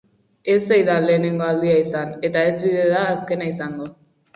Ez ei da lehenengo aldia izan, eta ez bide da azkena izango.